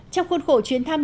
trong khuôn khổ chuyến thăm